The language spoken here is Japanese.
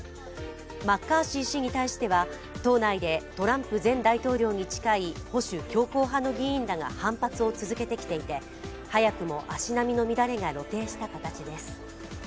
マッカーシー氏に対しては党内でトランプ前大統領に近い保守強硬派の議員らが反発を続けてきていて、早くも足並みの乱れが露呈した形です。